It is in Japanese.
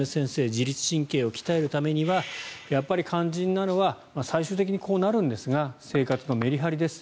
自律神経を鍛えるためにはやっぱり肝心なのは最終的にこうなるんですが生活のメリハリです。